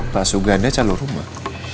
pak suganda calon rumah